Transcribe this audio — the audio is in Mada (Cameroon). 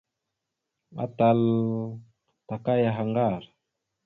Atal taka yaha ŋgar.